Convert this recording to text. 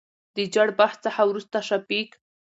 دجړبحث څخه ورورسته شفيق